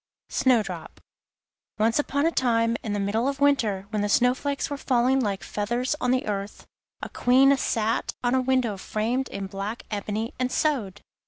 SNOWDROP Once upon a time, in the middle of winter when the snow flakes were falling like feathers on the earth, a Queen sat at a window framed in black ebony and sewed.